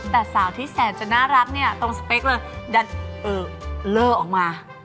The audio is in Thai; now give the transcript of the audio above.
แต่สาวที่แสนจะน่ารักเนี่ยตรงสเปคเลยดันเลอร์ออกมา